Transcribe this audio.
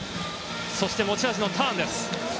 そして持ち味のターンです。